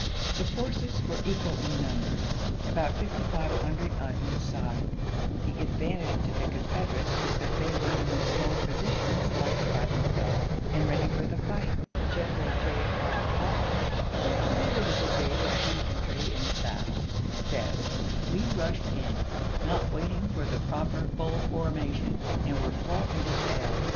The forces were equal in numbers, about 5500 on each side ; the advantage to the Confederates was that they were in a strong position selected by themselves and ready for the fight. General J. R. Hawley, who commanded a brigade of infantry in OLUSTEE AND THE KED EIVER 285 the battle, says, " We rushed in, not waiting for chap.xi. the proper full formation, and were fought in de "^^^^^^ tail."